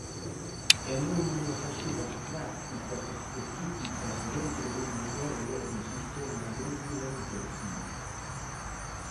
E non unhas axudas prácticas específicas dentro dun modelo e dun sistema agrícola intensivo.